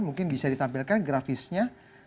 mungkin bisa ditampilkan grafisnya